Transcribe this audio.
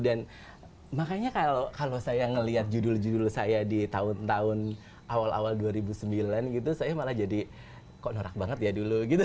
dan makanya kalau saya melihat judul judul saya di tahun tahun awal awal dua ribu sembilan gitu saya malah jadi kok norak banget ya dulu gitu